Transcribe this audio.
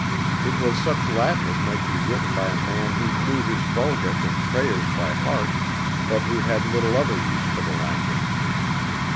It was such Latin as might be written by a man who knew his Vulgate and prayers by heart, but who had little other use for the language.